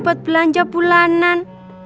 buat belanja bulanan